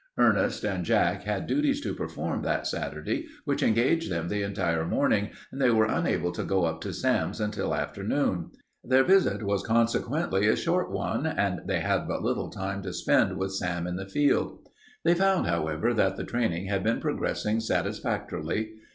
Ernest and Jack had duties to perform that Saturday which engaged them the entire morning, and they were unable to go up to Sam's until afternoon. Their visit was consequently a short one and they had but little time to spend with Sam in the field. They found, however, that the training had been progressing satisfactorily.